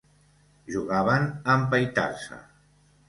Jugaven a empaitar-se.